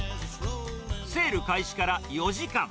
セール開始から４時間。